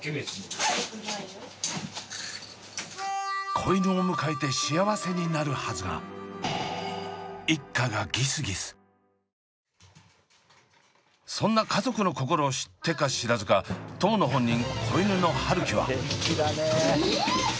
子犬を迎えて幸せになるはずがそんな家族の心を知ってか知らずか当の本人子犬の春輝は。